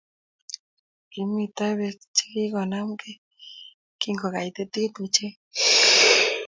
Kimito beek chegigonamgei kingogaitit ochei